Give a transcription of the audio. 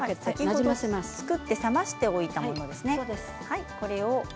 作って冷ましておいたものですね。